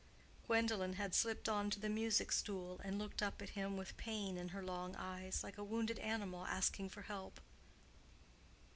Gwendolen had slipped on to the music stool, and looked up at him with pain in her long eyes, like a wounded animal asking for help.